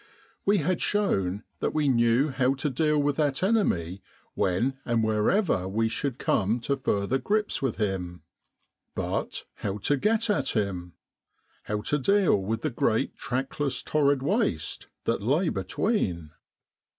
We had shown that we knew how to deal with that enemy when and wherever we should come to further grips with him. But how to get at him? How to deal with the great trackless torrid waste that lay between